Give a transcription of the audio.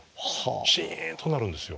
シンとなるんですよ